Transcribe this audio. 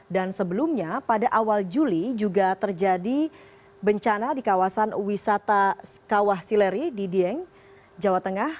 dan sebelumnya pada awal juli juga terjadi bencana di kawasan wisata kawah sileri di dieng jawa tengah